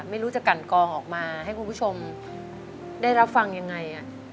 ไม่รู้จะกันกองออกมาให้คุณผู้ชมได้รับฟังยังไง